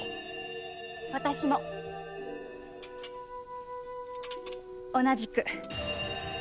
私も同じく。